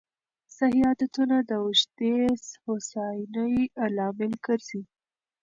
صحي عادتونه د اوږدې هوساینې لامل ګرځي.